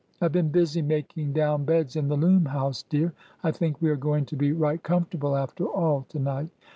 " I 've been busy making down beds in the loom house, dear. I think we are going to be right comfortable, after all, to night.